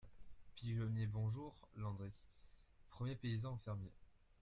Pigeonnier Bonjour, Landry ! premier paysan au fermier.